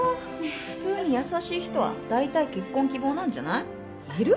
普通に優しい人は大体結婚希望なんじゃない？いる？